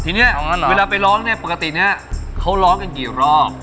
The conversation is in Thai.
ทีนี้เวลาไปร้องเนี่ยปกตินี้เขาร้องกันกี่รอบ